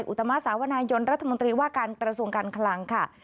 อุตมาสาวนายนรัฐมนตรีว่าการกระทรวงการคลังค่ะ